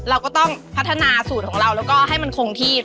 เราก็ต้องพัฒนาสูตรของเราแล้วก็ให้มันคงที่